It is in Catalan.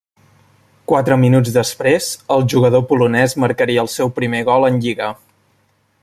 Quatre minuts després el jugador polonès marcaria el seu primer gol en lliga.